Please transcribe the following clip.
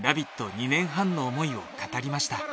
２年半の思いを語りました。